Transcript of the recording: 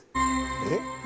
えっ？